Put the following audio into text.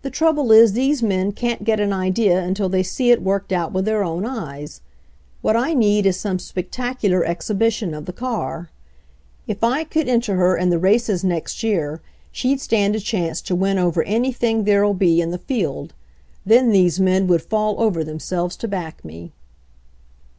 The trouble is these men can't get an idea until they see it worked out with their own eyes. What I need is some spectacular exhibition of the car. If I could enter her in the races next year she'd stand a chance to win over anything there'll be in the ANOTHER EIGHT YEARS 103 field — then these men would fall over themselves to back me."